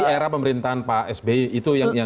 di era pemerintahan pak s b itu yang